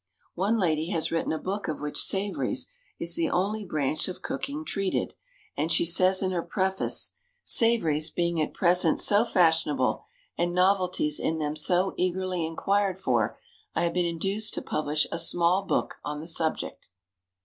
One lady has written a book of which savories is the only branch of cooking treated, and she says in her preface, "Savories being at present so fashionable, and novelties in them so eagerly inquired for, I have been induced to publish a small book on the subject."